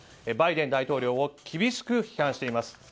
バイデン大統領を厳しく批判しています。